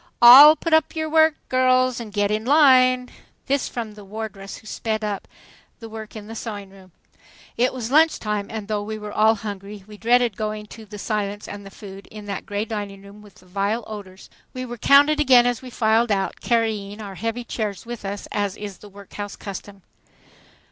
." "All put up your work, girls, and get in line." This from the wardress, who sped up the work in the sewing room. It was lunch time, and though we were all hungry we dreaded going to the silence and the food in that gray dining room with the vile odors. We were counted again as we filed out, carrying our heavy chairs with us as is the workhouse custom.